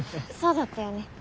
そうだったよね。